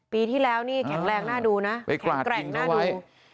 ปีที่แล้วนี่แข็งแรงน่าดูนะแข็งแกร่งน่าดู